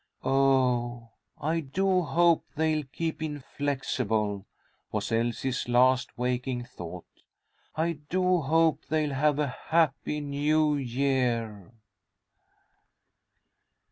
"Oh, I do hope they'll keep 'inflexible,'" was Elsie's last waking thought. "I do hope they'll have a happy New Year."